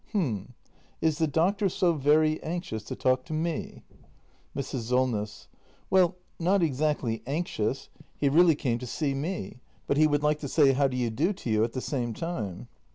] H'm — is the doctor so very anxious to talk to me? Mrs. Solness. Well, not exactly anxious. He really came to see me; but he would like to say how do you do to you at the same time.